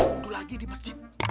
udu lagi di masjid